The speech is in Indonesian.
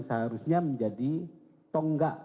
seharusnya menjadi tonggak